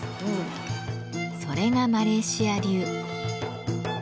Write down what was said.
それがマレーシア流。